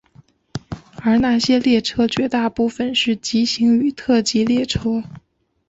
而那些列车绝大部分是急行与特急列车。